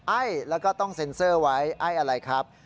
ไอ้แล้วก็ต้องเซ็นเซอร์ไว้ไอ้อะไรครับ